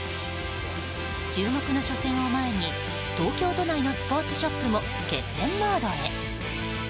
注目の初戦を前に東京都内のスポーツショップも決戦モードへ。